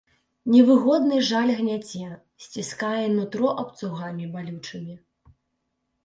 Невыгодны жаль гняце, сціскае нутро абцугамі балючымі.